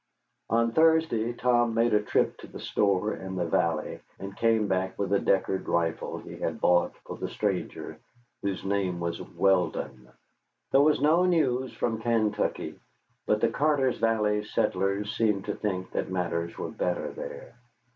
On Thursday Tom made a trip to the store in the valley, and came back with a Deckard rifle he had bought for the stranger, whose name was Weldon. There was no news from Kaintuckee, but the Carter's Valley settlers seemed to think that matters were better there.